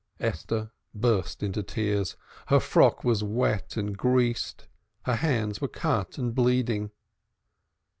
Esther burst into tears; her frock was wet and greased, her hands were cut and bleeding.